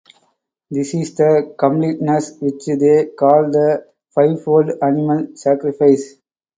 This is the completeness which they call the fivefold animal sacrifice.